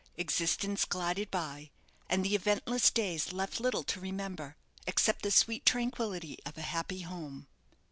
Existence glided by, and the eventless days left little to remember except the sweet tranquillity of a happy home.